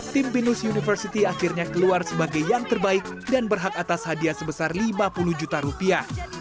tim pinus university akhirnya keluar sebagai yang terbaik dan berhak atas hadiah sebesar lima puluh juta rupiah